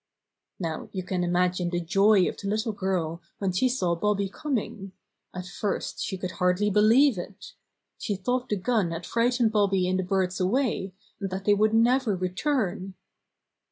Now you can imagine the joy of the little girl when she saw Bobby coming. At first she could hardly believe it. She thought the gun had frightened Bobby and the birds away, and that they would never return.